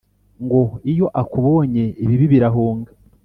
ngo iyo akubonye ibibi birahunga